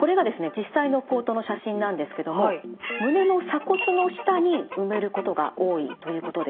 実際のポートの写真なんですけども胸の鎖骨の下に埋めることが多いということです。